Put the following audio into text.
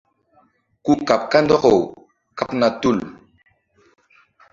Ku kaɓ kandɔk kaɓna tul.